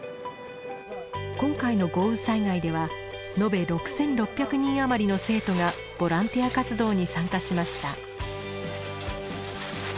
今回の豪雨災害では延べ６，６００人余りの生徒がボランティア活動に参加しました。